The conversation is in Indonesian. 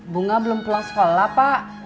bunga belum pulang sekolah pak